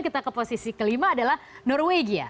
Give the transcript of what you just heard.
kita ke posisi kelima adalah norwegia